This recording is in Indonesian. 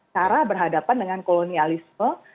cara berhadapan dengan kolonialisme